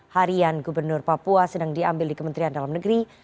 harian gubernur papua sedang diambil di kementerian dalam negeri